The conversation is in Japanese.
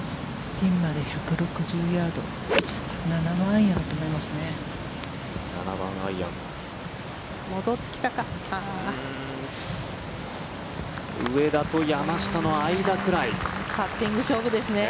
ピンまで１６０ヤード７番アイアンだと思いますね。